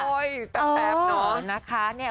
โอ้ยแป๊บน้อง